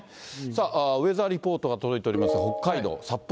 さあ、ウェザーリポートが届いております。